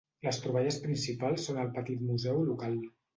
Les troballes principals són al petit museu local.